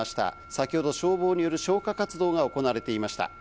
先ほど消防による消火活動が行われていました。